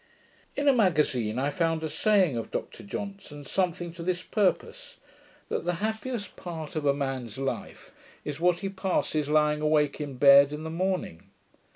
In a magazine I found a saying of Dr Johnson's, something to this purpose; that the happiest part of a man's life is what he passes lying awake in bed in the morning.